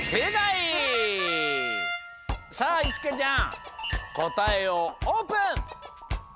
さあいちかちゃんこたえをオープン！